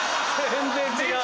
全然違う。